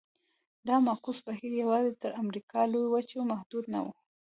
دا معکوس بهیر یوازې تر امریکا لویې وچې محدود نه و.